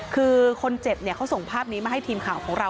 คือคนเจ็บเขาส่งภาพนี้มาให้ทีมข่าวของเรา